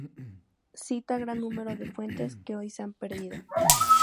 Cita gran número de fuentes que hoy se han perdido.